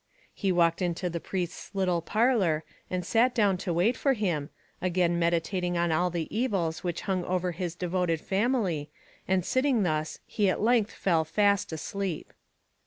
He walked into the priest's little parlour, and sat down to wait for him, again meditating on all the evils which hung over his devoted family, and sitting thus he at length fell fast asleep.